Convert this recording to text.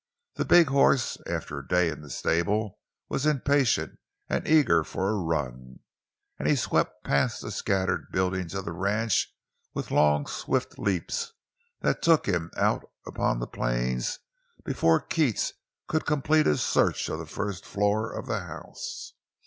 The big horse, after a day in the stable, was impatient and eager for a run, and he swept past the scattered buildings of the ranch with long, swift leaps that took him out upon the plains before Keats could complete his search of the first floor of the house.